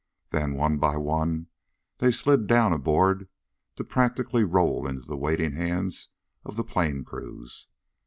Then one by one they slid down aboard to practically roll into the waiting hands of the plane crews.